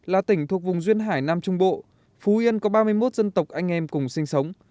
là tỉnh thuộc vùng duyên hải nam trung bộ phú yên có ba mươi một dân tộc anh em cùng sinh sống